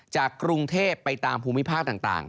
จากกรุงเทพไปตามภูมิภาคต่าง